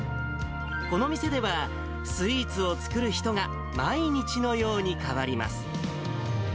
この店では、スイーツを作る人が毎日のように代わります。